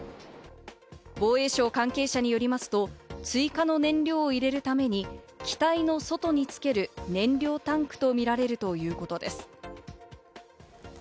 防衛省関係者によりますと、追加の燃料を入れるために機体の外につける燃料タンクとみられるということです。